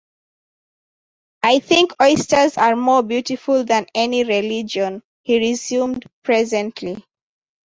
"I think oysters are more beautiful than any religion," he resumed presently.